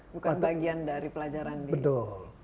bukan bagian dari pelajaran di